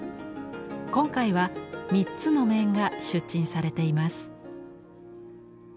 今回は３つの面が出陳されています。